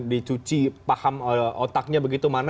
dicuci paham otaknya begitu mana